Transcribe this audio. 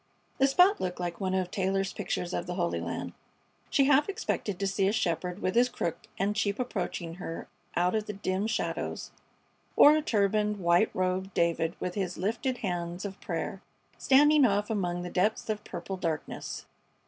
The spot looked like one of Taylor's pictures of the Holy Land. She half expected to see a shepherd with his crook and sheep approaching her out of the dim shadows, or a turbaned, white robed David with his lifted hands of prayer standing off among the depths of purple darkness.